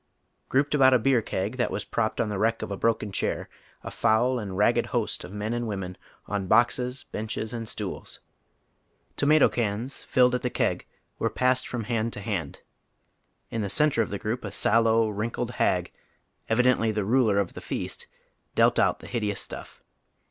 Grouped about a beer keg that was propped on the wreck of a broken chair, a foul and I'agged host of men and women, on boxes, benches, and stools. Tomato cans filled at the keg were passed from hand to hand. In the centre of the group a sallow, wrinkled hag, evidently the ruler of the feast, dealt out tlie hideous stuff.